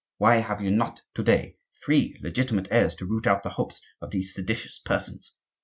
Why have you not to day three legitimate heirs to root out the hopes of these seditious persons?